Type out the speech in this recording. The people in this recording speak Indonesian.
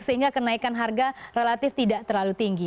sehingga kenaikan harga relatif tidak terlalu tinggi